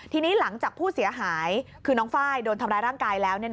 ทีนี้หลังจากผู้เสียหายคือน้องไฟล์โดนทำร้ายร่างกายแล้ว